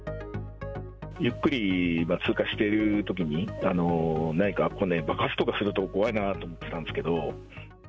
ゆっくり通過してるときに、何か爆発すると怖いなと思ってたんですけど。